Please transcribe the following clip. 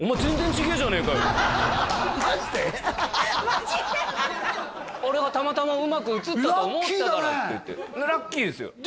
ハハハハ「あれがたまたまうまく写ったと思ったから」って言ってラッキーだね！